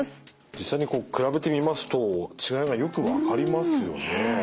実際にこう比べてみますと違いがよく分かりますよね。